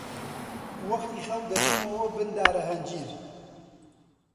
وەختی خەو دەچوومەوە بن دارەهەنجیر